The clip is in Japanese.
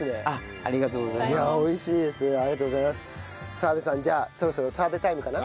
澤部さんじゃあそろそろ澤部タイムかな？